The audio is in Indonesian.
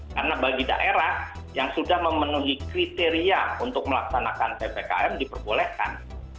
karena bagi daerah yang sudah memenuhi kriteria untuk melaksanakan ppkm diperbolehkan